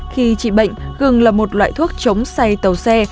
khi trị bệnh cường là một loại thuốc chống say tàu xe